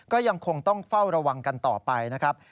ก็ยังคงต้องเฝ้าระวังกันต่อไปนะครับ